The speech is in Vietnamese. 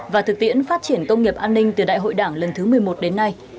và thực tiễn phát triển công nghiệp an ninh từ đại hội đảng lần thứ một mươi một đến nay